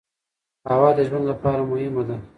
هوا د ژوند لپاره مهمه ده.